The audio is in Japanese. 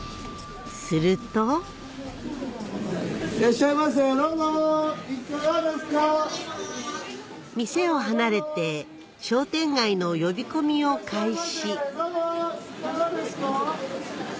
すると店を離れて商店街の呼び込みを開始